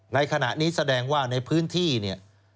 ในขณะนี้แสดงว่าในพื้นที่เนี่ย